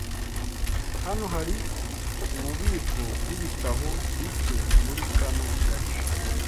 Hano hari ububiko bwibitabo bike muri kano gace.